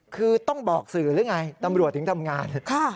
คือต้องบอกสื่อหรือไงตำรวจถึงทำงาน